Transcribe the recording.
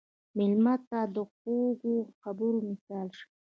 مېلمه ته د خوږو خبرو مثال شه.